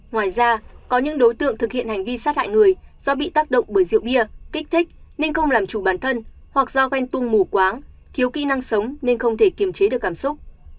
ngoài ra có những đối tượng thực hiện hành vi sát hại người do bị tác động bởi rượu bia kích thích nên không làm chủ bản thân hoặc do ganh tung mù quáng thiếu kỹ năng sống nên không thể kiềm chế được cảm xúc